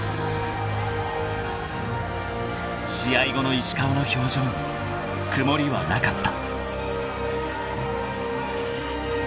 ［試合後の石川の表情に曇りはなかった］